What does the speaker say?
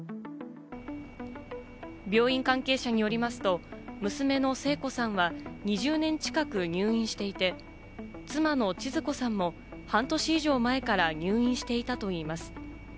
病院関係者によりますと、娘の聖子は２０年近く入院していて、妻のちづ子さんも半年以上前から入院していたといいます。